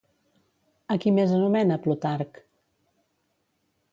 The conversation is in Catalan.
A qui més anomena Plutarc?